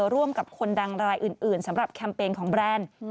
ร่วมกับคนดังรายอื่นสำหรับแคมเปญของแบรนด์